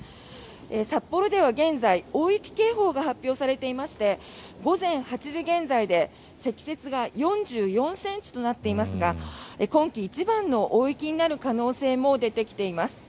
札幌では現在大雪警報が発表されていまして午前８時現在で積雪が４４ｃｍとなっていますが今季一番の大雪になる可能性も出てきています。